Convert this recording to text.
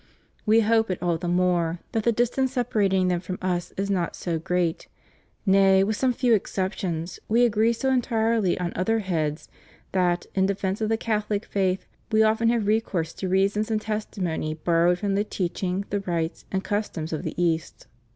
We hope it all the more, that the dis tance separating them from Us is not so great: nay, with some few exceptions, we agree so entirely on other heads that, in defence of the Catholic faith, we often have re course to reasons and testimony borrowed from the teach ing, the rites, and customs of the East.